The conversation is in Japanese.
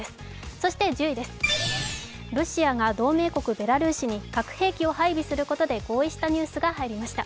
そして１０位です、ロシアが同盟国ベラルーシに核兵器を配備することで合意したニュースが入りました。